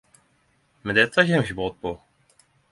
Men dette kjem ikkje brått.